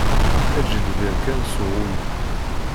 Eǧǧ lbir kan s uɣummu.